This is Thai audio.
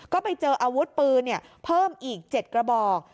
ก็ไปเจออาวุธปืนเพิ่มอีก๗กระบอก